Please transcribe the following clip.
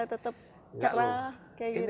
tetap cerah kayak gitu